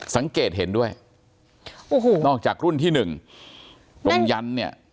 สังเกตเห็นด้วยโอ้โหนอกจากรุ่นที่หนึ่งตรงยันเนี่ย